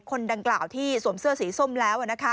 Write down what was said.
คนดังกล่าวที่สวมเสื้อสีส้มแล้ว